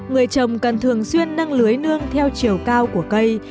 người trồng cần thường xuyên nâng lưới nương theo chiều cao của cây